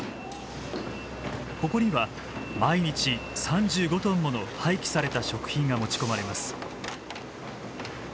ここには毎日３５トンもの廃棄された食品が持ち込まれます。